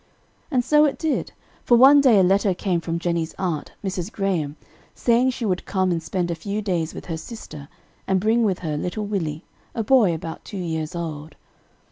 And so it did; for one day a letter came from Jennie's aunt, Mrs. Graham, saying she would come and spend a few days with her sister, and bring with her little Willie, a boy about two years old.